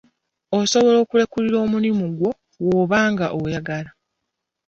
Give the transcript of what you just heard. Osobola okulekulira omulimu gwo bw'oba nga oyagala.